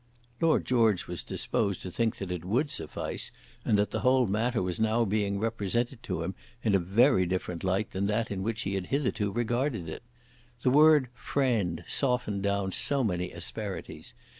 Lord George was disposed to think that it would suffice, and that the whole matter was now being represented to him in a very different light than that in which he had hitherto regarded it. The word "friend" softened down so many asperities!